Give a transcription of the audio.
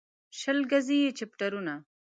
شل ګزي يې چپټرونه